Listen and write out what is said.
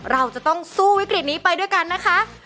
เราจะต้องสู้วิกฤตนี้ไปด้วยกันนะคะ